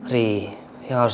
ri yang harus